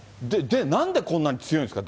なんでこんなに強いんですか？